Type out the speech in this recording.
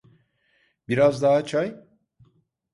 Biraz daha çay?